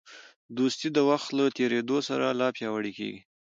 دوستي د وخت له تېرېدو سره لا پیاوړې کېږي.